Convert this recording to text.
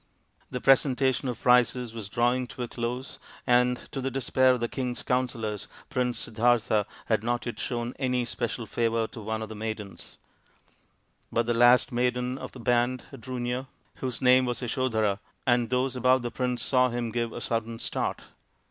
The presentation of prizes was drawing to a close, and to the despair of the king's counsellors Prince Siddartha had not yet shown any special favour to one of the maidens ; but the last maiden of the band drew near, whose name was Yasodhara, and those about the prince saw him give a sudden start.